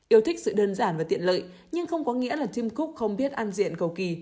yêu thích sự đơn giản và tiện lợi nhưng không có nghĩa là tim cúc không biết an diện cầu kỳ